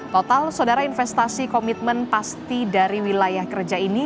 total saudara investasi komitmen pasti dari wilayah kerja ini